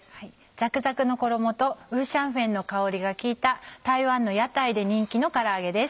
ザクザクの衣とウーシャンフェンの香りが効いた台湾の屋台で人気のから揚げです。